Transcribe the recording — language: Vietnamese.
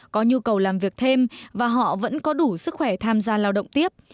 có nhu cầu làm việc thêm và họ vẫn có đủ sức khỏe tham gia lao động tiếp